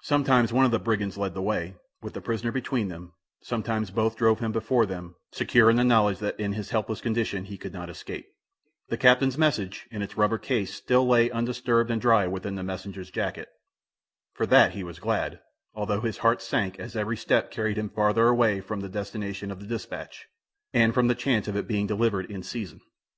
Sometimes one of the brigands led the way, with the prisoner between them, sometimes both drove him before them, secure in the knowledge that in his helpless condition he could not escape. The captain's message, in its rubber case, still lay undisturbed and dry within the messenger's jacket. For that he was glad, although his heart sank as every step carried him farther away from the destination of the dispatch, and from the chance of its being delivered in season.